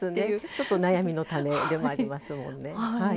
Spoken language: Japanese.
ちょっと悩みの種でもありますね。